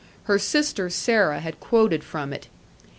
Her sister Sarah had quoted from it.